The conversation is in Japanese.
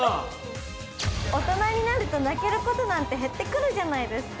大人になると泣けることなんて減ってくるじゃないですか。